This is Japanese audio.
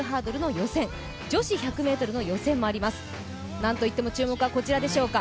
なんといっても注目はこちらでしょうか